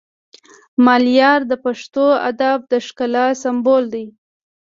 ملیار د پښتو ادب د ښکلا سمبول دی